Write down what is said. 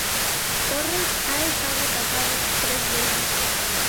Torres, ha estado casado tres veces.